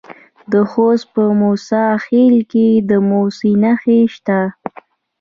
د خوست په موسی خیل کې د مسو نښې شته.